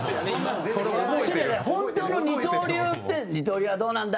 本当の二刀流って二刀流は、どうなんだ？